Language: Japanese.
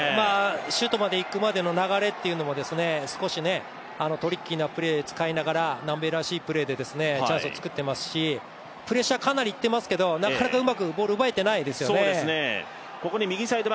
シュートまで行くまでの流れも少しトリッキーなプレー使いながら南米らしいプレーでチャンスを作っていますしプレッシャーかなり行ってますけどもなかなかうまくボールを奪えてないですよね。